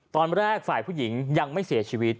ตอนแรกฝ่ายผู้หญิงยังไม่เสียชีวิต